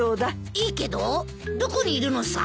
いいけどどこにいるのさ。